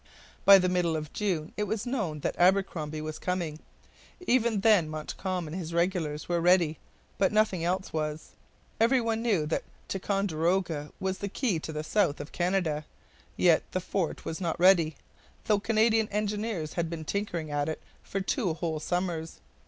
By the middle of June it was known that Abercromby was coming. Even then Montcalm and his regulars were ready, but nothing else was. Every one knew that Ticonderoga was the key to the south of Canada; yet the fort was not ready, though the Canadian engineers had been tinkering at it for two whole summers.